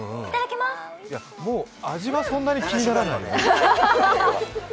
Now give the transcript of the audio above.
もう、味はそんなに気にならないね。